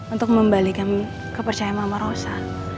untuk membalikkan kepercayaan mama rosa